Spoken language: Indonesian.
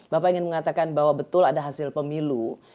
bapak ingin mengatakan bahwa betul ada hasil pemilu